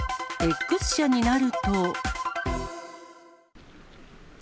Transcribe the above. Ｘ社になると。